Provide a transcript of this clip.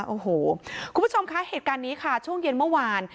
โอ้โหคุณผู้ชมคะเหตุการณ์นี้ค่ะช่วงเย็นเมื่อวาน